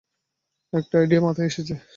একটা আইডিয়া মাথায় এসেছে।